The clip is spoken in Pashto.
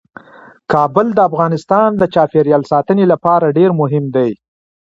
کابل د افغانستان د چاپیریال ساتنې لپاره ډیر مهم دی.